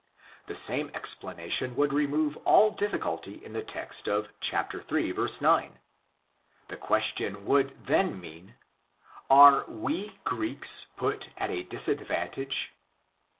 The same explanation would remove all difficulty in the text of i. 9 (τί οὖν ; προεχόμεθα;). The question would then mean, '' Are we (Greeks) put at a disadvantage